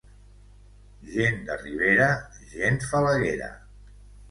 Gent de ribera, gent falaguera.